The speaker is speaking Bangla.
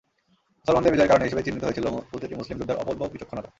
মুসলমানদের বিজয়ের কারণ হিসেবে চিহ্নিত হয়েছিল প্রতিটি মুসলিম যোদ্ধার অপূর্ব বিচক্ষণতা।